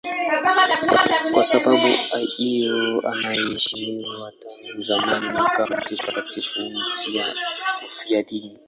Kwa sababu hiyo anaheshimiwa tangu zamani kama mtakatifu mfiadini.